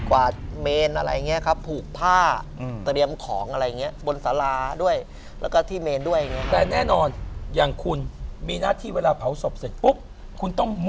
วันนึงเนี่ยผมถามหน่อย